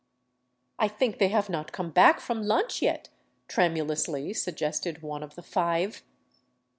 " I think they have not come back from lunch yet," tremulously sug gested one of the five.